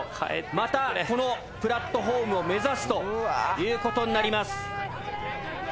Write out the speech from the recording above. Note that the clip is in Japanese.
またこのプラットホームを目指すという事になります。